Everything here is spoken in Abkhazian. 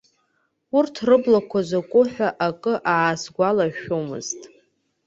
Урҭ рыблақәа закәу ҳәа акы аасгәалашәомызт.